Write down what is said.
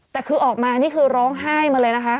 แต่คือออกมานี่คือร้องไห้มาเลยนะคะ